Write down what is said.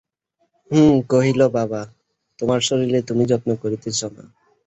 হেম কহিল, বাবা, তোমার শরীরের তুমি যত্ন করিতেছ না।